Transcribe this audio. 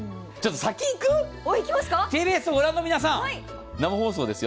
ＴＢＳを御覧の皆さん、生放送ですよ。